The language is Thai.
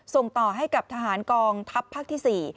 ส่งต่อให้กับทหารกองทัพภาคที่๔